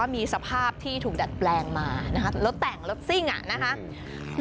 มีสภาพที่ถูกแดดแปลงเนื่องมารถแต่งรถซิ้งอ่ะนะครับ